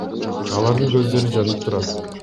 Алардын көздөрү жанып турат.